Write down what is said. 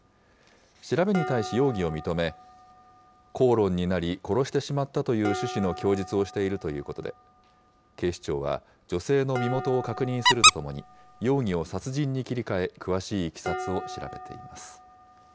調べに対し容疑を認め、口論になり殺してしまったという趣旨の供述をしているということで、警視庁は女性の身元を確認するとともに、容疑を殺人に切り替え、詳しいいきさつを調べています。